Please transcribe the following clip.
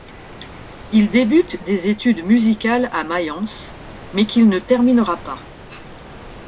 Il débute des études musicales à Mayence, mais qu'il ne terminera pas.